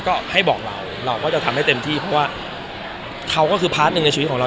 ก็ให้บอกเราเราก็จะทำให้เต็มที่เพราะว่าเขาก็คือพาร์ทหนึ่งในชีวิตของเรา